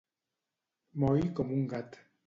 Moll com un gat.